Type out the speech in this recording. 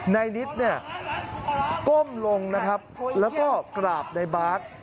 ในนิดก้มลงนะครับแล้วก็กราบในบาท